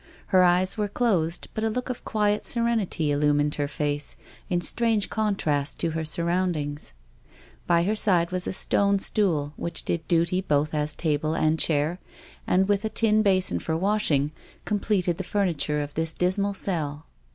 Her eyes were closed, but a look of quiet serenity illumined her face, in strange contrast to her surround ings. By her side was a stone stool which did duty both as table and chair, and, with a tin basin for washing, completed the furniture of this dismal cell.